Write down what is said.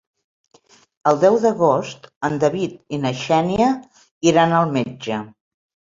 El deu d'agost en David i na Xènia iran al metge.